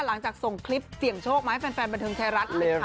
หลังจากส่งคลิปเสียงโชคมาให้แฟนบันเทิงไทยรัฐเลยค่ะ